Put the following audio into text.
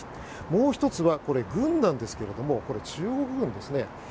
もう１つは、軍なんですがこれ、中国軍ですね。